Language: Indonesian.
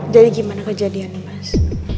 jadi gimana kejadiannya mas